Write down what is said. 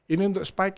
ini untuk spike